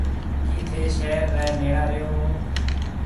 ڪِي ٿَي شهر ريَ نيڙا رهيو هون۔